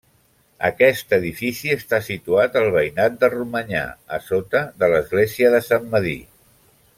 Aquest edifici està situat al veïnat de Romanyà, a sota de l'església de Sant Medir.